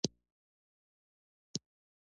که یو سړی ښځه ونه لري داسې ښکاري.